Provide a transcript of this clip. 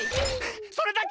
それだけ？